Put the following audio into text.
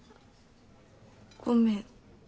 ごめん。